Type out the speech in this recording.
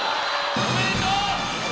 おめでとう。